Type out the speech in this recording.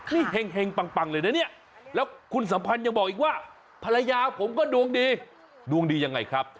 นี่เห็งปังเลยนะเนี่ยแล้วคุณสัมพันธ์ยังบอกอีกว่าภรรยาผมก็ดวงดีดวงดียังไงครับ